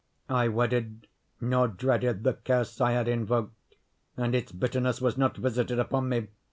I wedded—nor dreaded the curse I had invoked; and its bitterness was not visited upon me.